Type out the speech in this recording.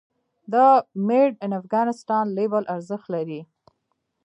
د "Made in Afghanistan" لیبل ارزښت لري؟